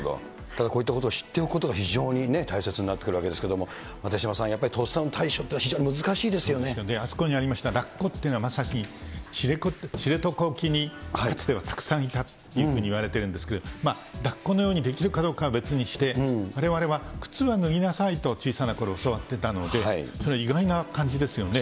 ただ、こういったことを知っておくことが非常にね大切になってくるわけですけれども、手嶋さん、やっぱりとっさの対処というのは、あそこにありました、ラッコというのは、まさに知床沖にかつてはたくさんいたっていうふうにいわれているんですけれども、ラッコのようにできるかどうかは別にして、われわれは靴は脱ぎなさいと、小さなころ、教わってたので、意外な感じですよね。